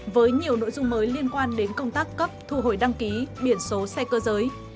với nhiều nội dung mới liên quan đến công tác cấp thu hồi đăng ký biển số xe cơ giới